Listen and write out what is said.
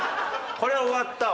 これは終わったわ。